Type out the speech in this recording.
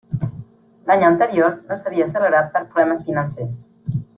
L'any anterior no s'havia celebrat per problemes financers.